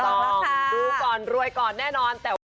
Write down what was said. ถูกต้องรวยก่อนแน่นอน